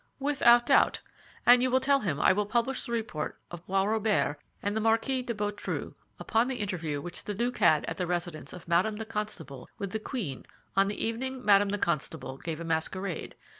"Without doubt. And you will tell him I will publish the report of Bois Robert and the Marquis de Beautru, upon the interview which the duke had at the residence of Madame the Constable with the queen on the evening Madame the Constable gave a masquerade.